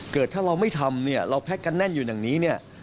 เกิดถ้าเราไม่ทำเราแพลกกันแน่นอยู่อย่างนี้